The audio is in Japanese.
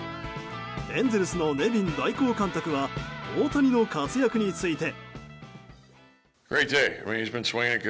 エンゼルスのネビン代行監督は大谷の活躍について。